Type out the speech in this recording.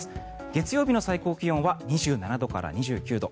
月曜日の最高気温は２７度から２９度。